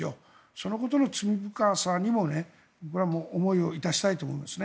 そのことの罪深さにも思いをいたしたいと思いますね。